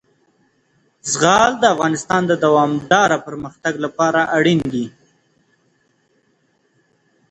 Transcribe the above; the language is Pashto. زغال د افغانستان د دوامداره پرمختګ لپاره اړین دي.